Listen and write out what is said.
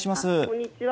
こんにちは。